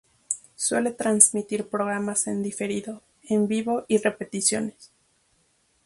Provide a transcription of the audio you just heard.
Suele transmitir programas en diferido, en vivo y repeticiones.